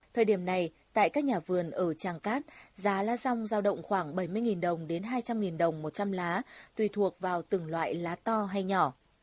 thời điểm này tại các nhà vườn ở tràng cát giá lá rong giao động khoảng bảy mươi đồng đến hai trăm linh đồng một trăm linh lá tùy thuộc vào từng loại lá to hay nhỏ